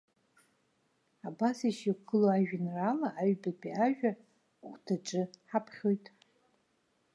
Абас ишьақәгылоу ажәеинраала аҩбатәи ажәа-хәҭаҿы ҳаԥхьоит.